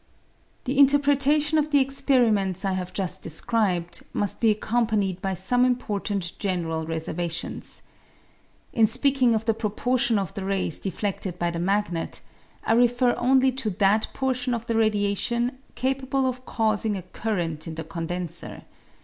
The interpretation of the experiments I have just de scribed must be accompanied by some important general reservations. In speaking of the proportion of the rays defleded by the magnet, I refer only to that portion of the radiation capable of causing a current in the condenser.